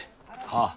ああ。